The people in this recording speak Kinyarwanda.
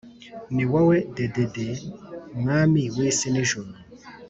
Niwowe dedede mwami w’isi n’ijuru